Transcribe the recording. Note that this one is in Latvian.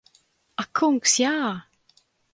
Ak kungs, jā!